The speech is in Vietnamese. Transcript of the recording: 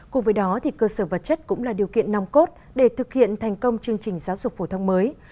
cùng với đó thì cơ sở vật chất cũng là điều kiện nòng cốt để thực hiện thành công chương trình giáo dục phổ thông mới